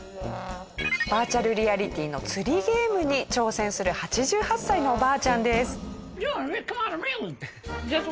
バーチャルリアリティーの釣りゲームに挑戦する８８歳のおばあちゃんです。